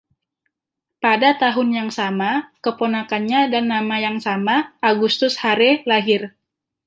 Pada tahun yang sama, keponakannya dan nama yang sama, Augustus Hare, lahir.